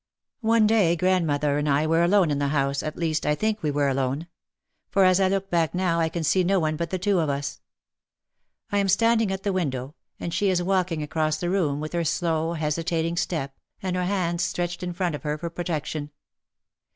One day grandmother and I were alone in the house, at least, I think we were alone. For as I look back now I can see no one but the two of us. I am standing at the OUT OF THE SHADOW 43 window, and she is walking across the room, with her slow, hesitating step, and her hands stretched in front of her for protection.